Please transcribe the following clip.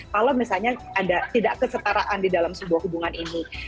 kalau misalnya ada tidak kesetaraan di dalam sebuah hubungan ini